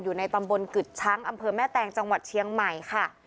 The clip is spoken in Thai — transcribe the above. อยู่ในตำบลกึดช้างอำเภอแม่แตงจังหวัดเชียงใหม่ค่ะ